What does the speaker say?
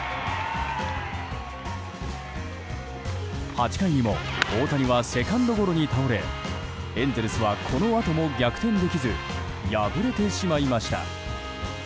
８回にも大谷はセカンドゴロに倒れエンゼルスはこのあとも逆転できず敗れてしまいました。